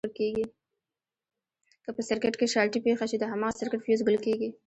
که په سرکټ کې شارټي پېښه شي د هماغه سرکټ فیوز ګل کېږي.